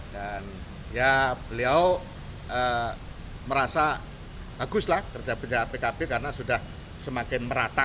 dan ya beliau merasa bagus lah kerja kerja pkp karena sudah semakin merata